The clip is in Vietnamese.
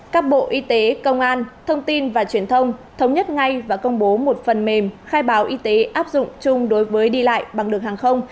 các bộ y tế công an thông tin và truyền thông thống nhất ngay và công bố một phần mềm khai báo y tế áp dụng chung đối với đi lại bằng đường hàng không